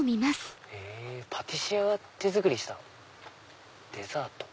「パティシエが手作りしたデザート」。